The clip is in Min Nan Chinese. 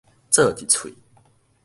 做一喙